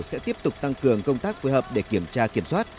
sẽ tiếp tục tăng cường công tác phối hợp để kiểm tra kiểm soát